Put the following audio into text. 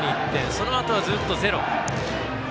そのあとは、ずっとゼロ。